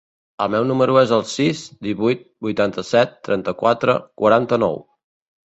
El meu número es el sis, divuit, vuitanta-set, trenta-quatre, quaranta-nou.